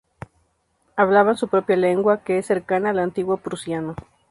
Hablaban su propia lengua, que es cercana al antiguo prusiano.